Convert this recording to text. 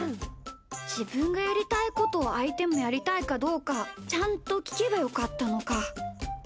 じぶんがやりたいことを、あいてもやりたいかどうかちゃんと、きけばよかったのか。